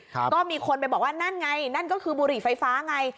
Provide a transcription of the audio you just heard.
ก็มีคนไปบอกว่านั่นไงนั่นก็คือบุหรี่ไฟฟ้าไง